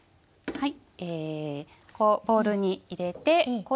はい。